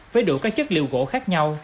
với đủ các chất liệu gỗ khác nhau